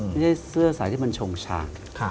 ไม่ใช่เสื้อสายที่มันชงชาง